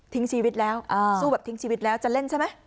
ชีวิตแล้วสู้แบบทิ้งชีวิตแล้วจะเล่นใช่ไหม